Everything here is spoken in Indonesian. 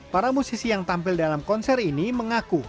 para musisi yang tampil dalam konser ini mengaku